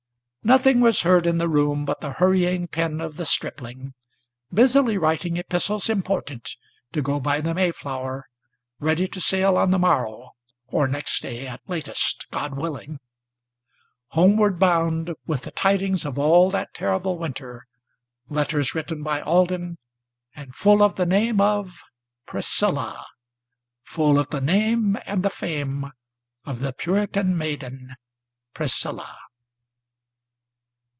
Nothing was heard in the room but the hurrying pen of the stripling, Busily writing epistles important, to go by the Mayflower, Ready to sail on the morrow, or next day at latest, God willing! Homeward bound with the tidings of all that terrible winter, Letters written by Alden, and full of the name of Priscilla, Full of the name and the fame of the Puritan maiden Priscilla!